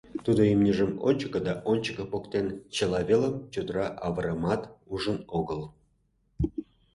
Тудо имньыжым ончыко да ончыко поктен, чыла велым чодыра авырымымат ужын огыл.